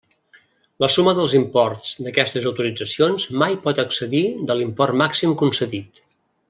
La suma dels imports d'aquestes d'autoritzacions mai pot excedir de l'import màxim concedit.